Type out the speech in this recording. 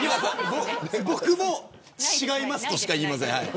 僕も違いますとしか言えません。